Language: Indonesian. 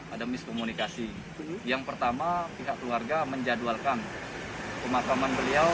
ada miskomunikasi yang pertama pihak keluarga menjadwalkan pemakaman beliau